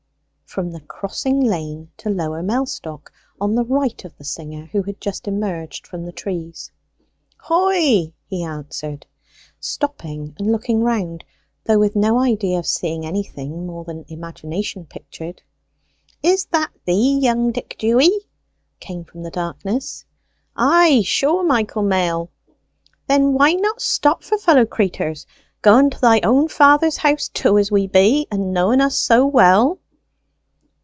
from the crossing lane to Lower Mellstock, on the right of the singer who had just emerged from the trees. "Ho i i i i i!" he answered, stopping and looking round, though with no idea of seeing anything more than imagination pictured. "Is that thee, young Dick Dewy?" came from the darkness. "Ay, sure, Michael Mail." "Then why not stop for fellow craters going to thy own father's house too, as we be, and knowen us so well?"